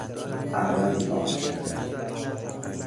اغلب به تئاتر میرفت.